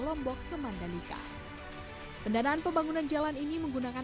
tujuh belas jutaobres makin diter kirendak